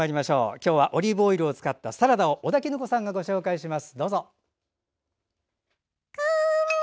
今日はオリーブオイルをたっぷり使ったサラダを尾田衣子さんがご紹介します。